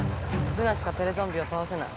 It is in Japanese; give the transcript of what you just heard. ルナしかテレゾンビをたおせない。